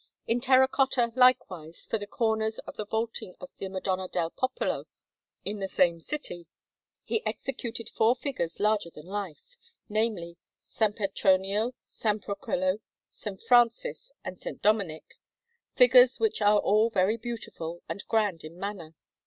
In terra cotta, likewise, for the corners of the vaulting of the Madonna del Popolo in the same city, he executed four figures larger than life; namely, S. Petronio, S. Procolo, S. Francis, and S. Dominic, figures which are all very beautiful and grand in manner.